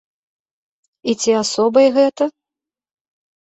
І ці асобай гэта?